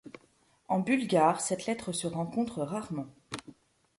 En bulgare, cette lettre se rencontre rarement.